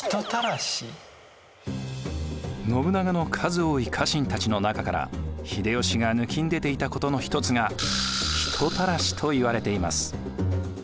信長の数多い家臣たちの中から秀吉がぬきんでていたことの一つが人たらしといわれています。